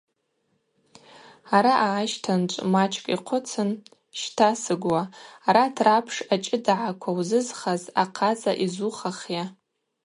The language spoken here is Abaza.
Араъа ащтанчӏв мачӏкӏ йхъвыцын: – Щта, сыгвла, арат рапш ачӏыдагӏаква узызхаз ахъацӏа йзухахйа?